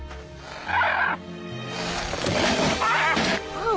ああ！